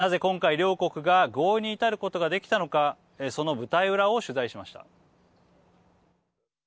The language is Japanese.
なぜ今回、両国が合意に至ることができたのかその舞台裏を取材しました。